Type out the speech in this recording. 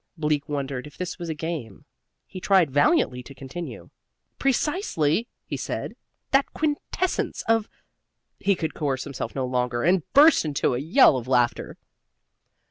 Bleak wondered if this was a game. He tried valiantly to continue. "Precisely," he said, "That quintessence of " He could coerce himself no longer, and burst into a yell of laughter.